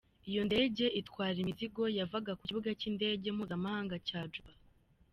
Iyi ndege itwara imizigo yavaga ku kibuga cy’Indege Mpuzamahanga cya Juba.